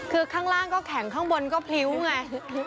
คือข้างล่างก็แข็งข้างบนก็พริ้วไง